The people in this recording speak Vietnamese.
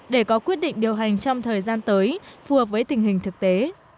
để có quyết định điều hành trong thời gian tới phù hợp với tình hình thực tế